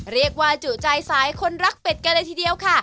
เรียกว่าจุใจซ้ายคนรักเป็ดกันเลยทีเดียวค่ะ